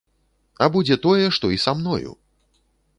А будзе тое, што і са мною!